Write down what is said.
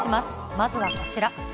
まずはこちら。